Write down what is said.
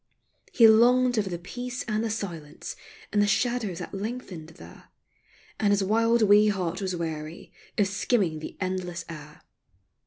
He longed for the peace and the silence And the shadows that lengthened there, And his wild wee heart was weary Of skimming the endless air.